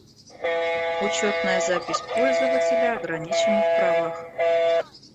Учетная запись пользователя ограничена в правах